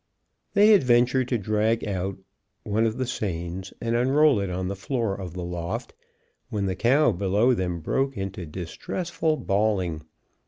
They had ventured to drag out one of the seines and unroll it on the floor of the loft, when the cow below them broke into distressful bawling.